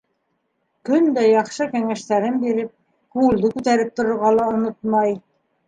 Көн дә яҡшы кәңәштәрен биреп, күңелде күтәреп торорға ла онотмай.